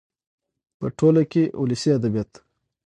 .په ټوله کې ولسي ادبيات